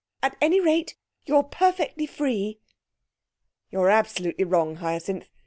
At any rate, you're perfectly free.' 'You are absolutely wrong, Hyacinth.